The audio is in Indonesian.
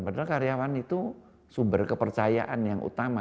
padahal karyawan itu sumber kepercayaan yang utama